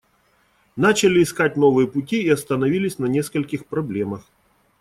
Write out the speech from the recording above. Начали искать новые пути и остановились на нескольких проблемах.